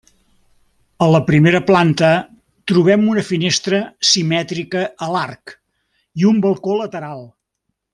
A la primera planta trobem una finestra simètrica a l'arc i un balcó lateral.